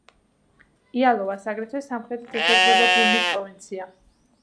იალოვას, აგრეთვე, სამხრეთით ესაზღვრება ბურსის პროვინცია.